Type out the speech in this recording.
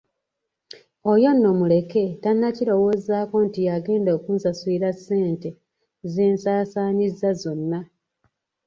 Oyo nno muleke tannakirowoozaako nti yagenda okunsasulira ssente zensaasaanyizza zonna.